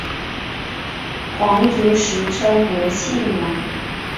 皇族时称博信王。